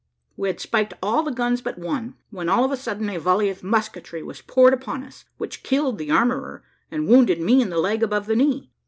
We had spiked all the guns but one, when all of a sudden a volley of musketry was poured upon us, which killed the armourer and wounded me in the leg, above the knee.